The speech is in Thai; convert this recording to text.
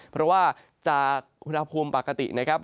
เพราะว่าจากอุณหภูมิปกตินะครับ